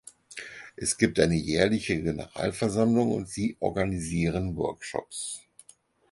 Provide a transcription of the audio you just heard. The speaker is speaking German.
Es gibt eine jährliche Generalversammlung und sie organisieren Workshops.